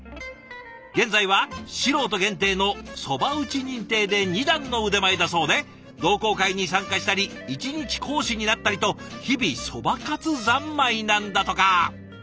現在は素人限定のそば打ち認定で２段の腕前だそうで同好会に参加したり一日講師になったりと日々そば活三昧なんだとか。